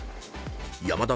［山田